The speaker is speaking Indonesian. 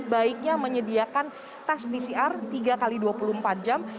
baiknya menyediakan tes pcr tiga x dua puluh empat jam